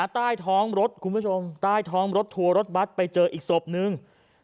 ใต้ท้องรถทัวรถบัตรไปเจออีกศพหนึ่ง